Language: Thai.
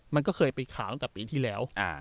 มันก็เคยไปข่าวตั้งแต่ปีที่แล้ว